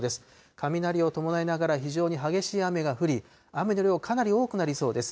雷を伴いながら、非常に激しい雨が降り、雨の量、かなり多くなりそうです。